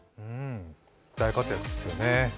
大活躍ですよね。